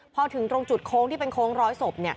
พอถึงตรงจุดโค้งที่เป็นโค้งร้อยศพ